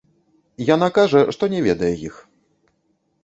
Яна кажа, што не ведае іх.